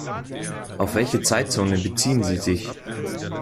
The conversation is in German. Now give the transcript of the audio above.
Auf welche Zeitzone beziehen Sie sich?